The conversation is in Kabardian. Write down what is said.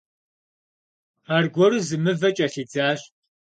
Аргуэру зы мывэ кӀэлъидзащ.